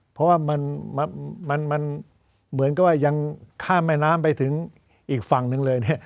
เพราะว่ามันเหมือนกับว่ายังข้ามแม่น้ำไปถึงอีกฝั่งหนึ่งเลยเนี่ย